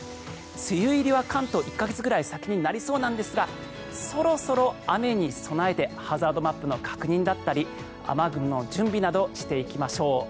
梅雨入りは関東は１か月ぐらい先になりそうなんですがそろそろ雨に備えてハザードマップの確認だったり雨具の準備などをしていきましょう。